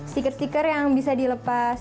stiker stiker yang bisa dilepas